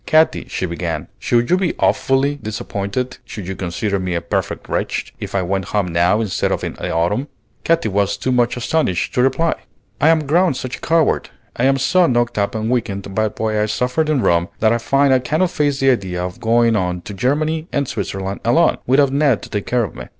"Katy," she began, "should you be awfully disappointed, should you consider me a perfect wretch, if I went home now instead of in the autumn?" Katy was too much astonished to reply. "I am grown such a coward, I am so knocked up and weakened by what I suffered in Rome, that I find I cannot face the idea of going on to Germany and Switzerland alone, without Ned to take care of me.